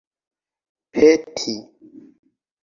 peti